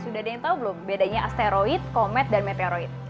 sudah ada yang tahu belum bedanya asteroid komet dan meteoroid